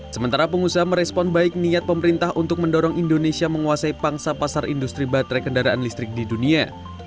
sementara pengusaha merespon baik niat pemerintah untuk mendorong indonesia menguasai pangsa pasar industri baterai kendaraan listrik di dunia